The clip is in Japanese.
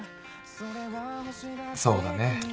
そうだね。